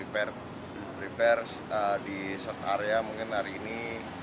prepare di search area mungkin hari ini